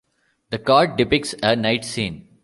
The card depicts a night scene.